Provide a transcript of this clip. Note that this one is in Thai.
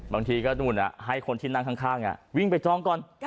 บางทีก็นู่นให้คนที่นั่งข้างวิ่งไปจองก่อน